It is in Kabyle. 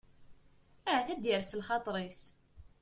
Ahat ad d-ires lxaṭer-is.